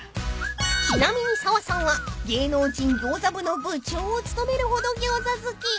［ちなみに砂羽さんは芸能人餃子部の部長を務めるほどギョーザ好き］